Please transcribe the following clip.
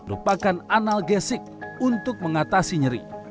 lupakan analgesik untuk mengatasi nyeri